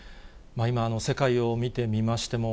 今、世界を見てみましても、